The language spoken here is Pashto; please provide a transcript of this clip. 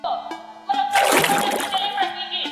نوښت د ژوند د اسانتیا لپاره دی.